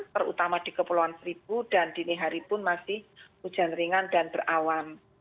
terutama di kepulauan seribu dan dini hari pun masih hujan ringan dan berawan